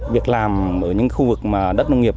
việc làm ở những khu vực đất nông nghiệp